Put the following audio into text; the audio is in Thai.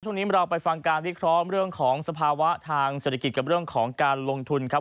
ช่วงนี้เราไปฟังการวิเคราะห์เรื่องของสภาวะทางเศรษฐกิจกับเรื่องของการลงทุนครับ